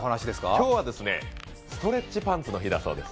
今日はストレッチパンツの日だそうです。